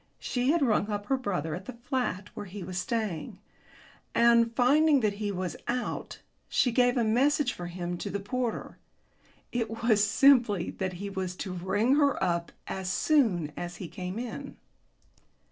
She had rung up her brother at the flat where he was staying, and, finding that he was out, she gave a message for him to the porter. It was simply that he was to ring her up as soon as he came in.